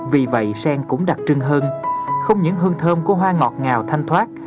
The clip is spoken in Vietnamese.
vì vậy sen cũng đặc trưng hơn không những hương thơm của hoa ngọt ngào thanh thoát